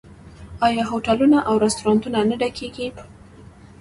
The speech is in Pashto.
آیا هوټلونه او رستورانتونه نه ډکیږي؟